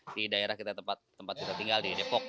di daerah kita tempat kita tinggal di depok